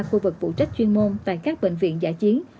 khu vực phụ trách chuyên môn tại các bệnh viện giả chiến